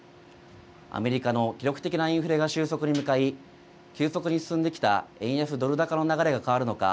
アメリカの記録的なインフレが収束に向かい、急速に進んできた円安ドル高の流れが変わるのか